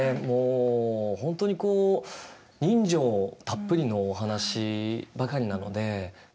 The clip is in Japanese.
もう本当にこう人情たっぷりのお話ばかりなので。